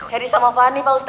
harry sama fanny pak ustadz